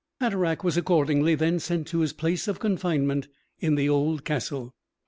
Hatteraick was accordingly then sent to his place of confinement in the old castle.